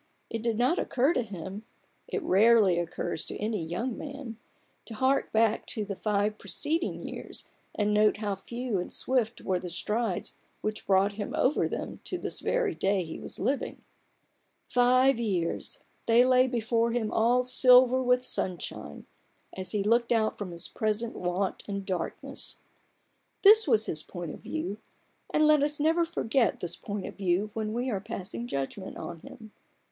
It did not occur to him (it rarely occurs to any young man) to hark back to the five preceding years and note how few and swift were the strides which brought him over them to this very day he was living. Five years ! They lay before him all silver with sunshine, as he looked l8 A BOOK OF BARGAINS. out from his present want and darkness. This was his point of view; and let us never forget this point of view when we are passing judgment on him.